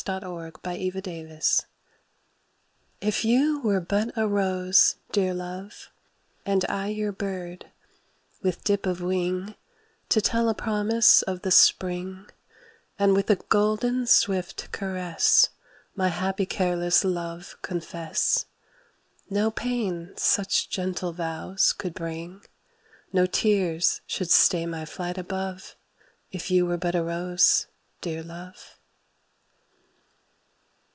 BIRD LOVE ROSE LOVE If you were but a rose dear love And I your bird, with dip of wing To tell a promise of the Spring And with a golden swift caress My happy careless love confess, No pain such gentle vows could bring, No tears should stay my flight above, If you were but a rose dear love.